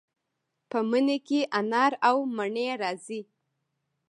په مني کې انار او مڼې راځي.